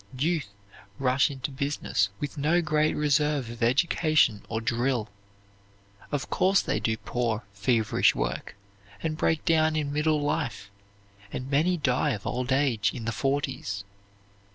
Youth rush into business with no great reserve of education or drill; of course they do poor, feverish work, and break down in middle life, and many die of old age in the forties.